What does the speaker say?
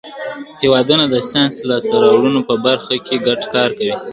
هیوادونه د ساینسي لاسته راوړنو په برخه کي ګډ کار کوي.